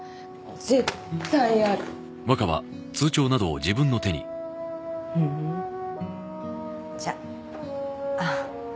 絶対あるふーんじゃああっ